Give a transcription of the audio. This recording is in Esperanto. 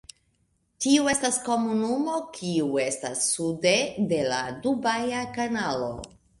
Tiu estas komunumo kiu estas sude de la Dubaja Kanalo.